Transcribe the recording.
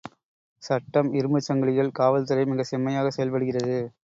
சட்டம் இரும்புச் சங்கிலிகள் காவல்துறை மிகச் செம்மையாகச் செயல்படுகிறது.